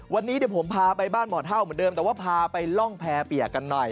วันนี้เดี๋ยวผมพาไปบ้านหมอเท่าเหมือนเดิมแต่ว่าพาไปล่องแพรเปียกกันหน่อย